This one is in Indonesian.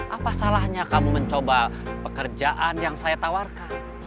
apa salahnya kamu mencoba pekerjaan yang saya tawarkan